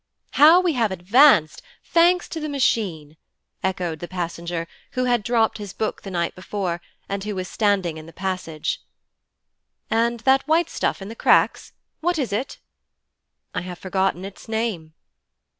'How we have advanced, thanks to the Machine!' echoed the passenger who had dropped his Book the night before, and who was standing in the passage. 'And that white stuff in the cracks? what is it?' 'I have forgotten its name.'